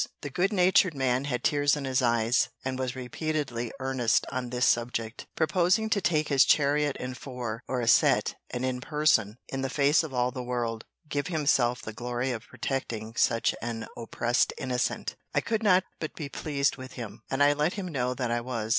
The good natured man had tears in his eyes, and was repeatedly earnest on this subject; proposing to take his chariot and four, or a set, and in person, in the face of all the world, give himself the glory of protecting such an oppressed innocent. I could not but be pleased with him. And I let him know that I was.